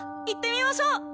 行ってみましょう！